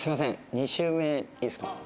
２周目いいですか？